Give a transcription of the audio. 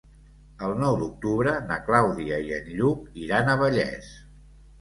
El nou d'octubre na Clàudia i en Lluc iran a Vallés.